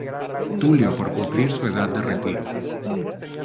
Tulio por cumplir su edad de retiro.